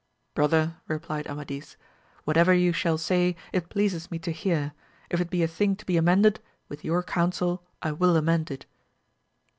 Brother, replied Amadis, whatever you shall say it pleases me to hear ; if it be a thing to be amended, with your counsel I will amend it.